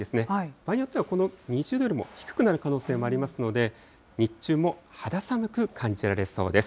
場合によっては、この２０度よりも低くなる可能性もありますので、日中も肌寒く感じられそうです。